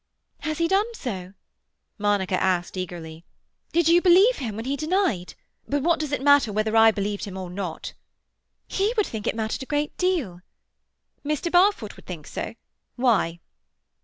"Has he done so?" Monica asked eagerly. "Did you believe him when he denied—" "But what does it matter whether I believed him or not?" "He would think it mattered a great deal." "Mr. Barfoot would think so? Why?"